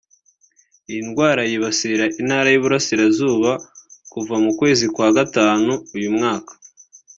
Iyi ndwara yibasiye Intara y’Iburasirazuba kuva mu kwezi kwa gatanu uyu mwaka